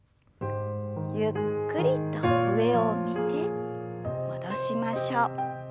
ゆっくりと上を見て戻しましょう。